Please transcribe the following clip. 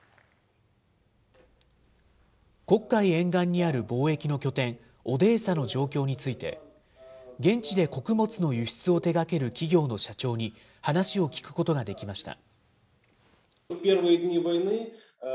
黒海沿岸にある貿易の拠点、オデーサの状況について、現地で穀物の輸出を手がける企業の社長に話を聞くことができました。